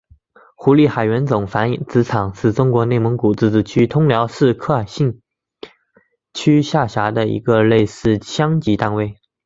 胡力海原种繁殖场是中国内蒙古自治区通辽市科尔沁区下辖的一个类似乡级单位。